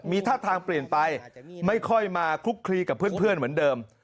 มีท่าทางเปลี่ยนไปไม่ค่อยมาคลุกคลีกับเพื่อนเหมือนเดิม